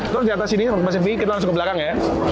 terus di atas sini masih tinggi kita langsung ke belakang ya